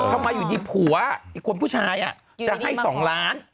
ทำไมอยู่ดีผัวอีกคนผู้ชายจะให้๒ล้าน